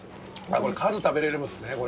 これ数食べれますね。